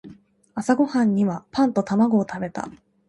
朝ごはんにはパンと卵を食べた。